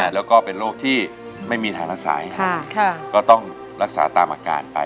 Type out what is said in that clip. แล้วก็เป็นโรคที่ไม่มีทางอาศัยก็ต้องรักษาตามอาการไป